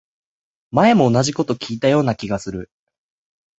前も同じこと聞いたような気がする